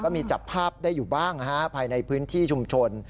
มีจับภาพได้อยู่บ้างภายในพื้นที่ชุมชน